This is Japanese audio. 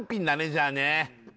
じゃあね